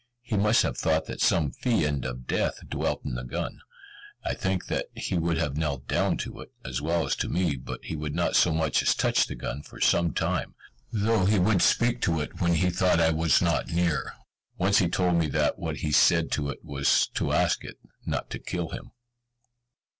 He must have thought that some fiend of death dwelt in the gun, and I think that he would have knelt down to it, as well as to me; but he would not so much as touch the gun for some time, though he would speak to it when he thought I was not near. Once he told me that what he said to it was to ask it not to kill him.